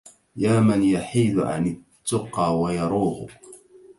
يا من يحيد عن التقى ويروغ